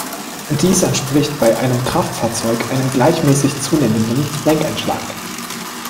Dies entspricht bei einem Kraftfahrzeug einem gleichmäßig zunehmenden Lenkeinschlag.